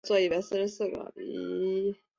前鳃盖缺刻不显着。